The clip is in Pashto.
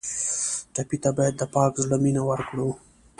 ټپي ته باید د پاک زړه مینه ورکړو.